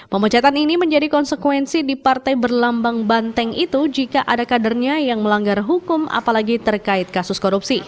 pemecatan ini menjadi konsekuensi di partai berlambang banteng itu jika ada kadernya yang melanggar hukum apalagi terkait kasus korupsi